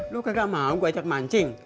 lu kagak mau gue ajak mancing